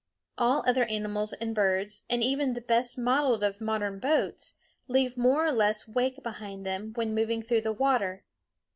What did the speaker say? All other animals and birds, and even the best modeled of modern boats, leave more or less wake behind them when moving through the water.